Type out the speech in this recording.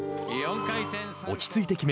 落ち着いて決め